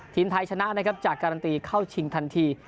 ทีมไทยชนะนะครับจากการันตีเข้าชิงทันที